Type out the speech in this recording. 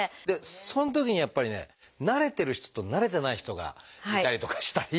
そのときにやっぱりね慣れてる人と慣れてない人がいたりとかしたり。